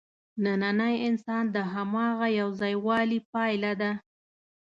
نننی انسان د هماغه یوځایوالي پایله ده.